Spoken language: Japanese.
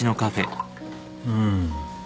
うん。